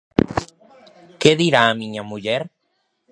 ¿Que dirá a miña muller?